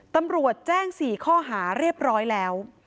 ตำรวจแจ้ง๔ข้อหาเรียบร้อยแล้ว